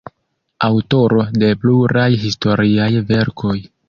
Aŭtoro de pluraj historiaj verkoj.